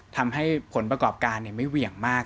ทำให้ผลประกอบการไม่เหวี่ยงมาก